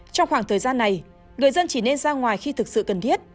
trong khoảng thời gian này người dân chỉ nên ra ngoài khi thực sự cần thiết